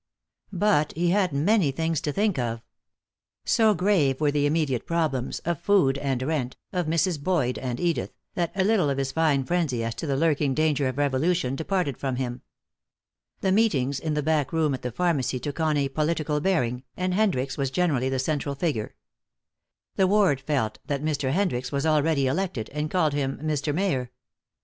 But he had many things to think of. So grave were the immediate problems, of food and rent, of Mrs. Boyd and Edith, that a little of his fine frenzy as to the lurking danger of revolution departed from him. The meetings in the back room at the pharmacy took on a political bearing, and Hendricks was generally the central figure. The ward felt that Mr. Hendricks was already elected, and called him "Mr. Mayor."